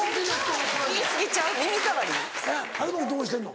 東君どうしてんの？